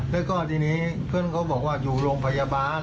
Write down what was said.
แล้วก็ทีนี้เพื่อนเขาบอกว่าอยู่โรงพยาบาล